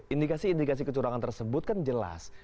indikasi indikasi kecurangan tersebut kan jelas